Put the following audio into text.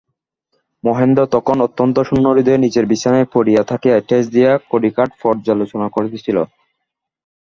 মহেন্দ্র তখন অত্যন্ত শূন্যহৃদয়ে নীচের বিছানায় পড়িয়া তাকিয়ায় ঠেস দিয়া কড়িকাঠ পর্যালোচনা করিতেছিল।